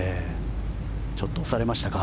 ちょっと押されましたか。